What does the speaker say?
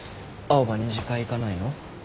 青羽２次会行かないの？